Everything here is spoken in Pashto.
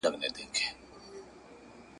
د ډېوې دښمن به ړوند وي د کتاب غلیم زبون وي